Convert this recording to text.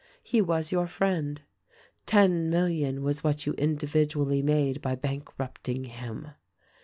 "He was your friend. "Ten million was what you individually made by bank rupting him.